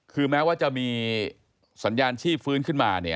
คือแม้ว่าจะมีสัญญาณชีพฟื้นขึ้นมา